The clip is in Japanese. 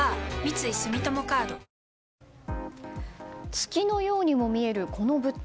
月のようにも見えるこの物体